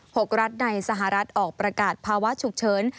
หกรัฐในสหรัฐออกประกาศภาวะฉุกเฉิน